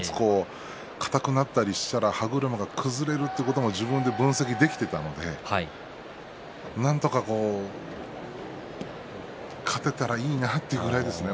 押し相撲なので１つ硬くなったりしたら歯車が崩れるということを自分で分析していたので、何とか勝てたらいいなぐらいですね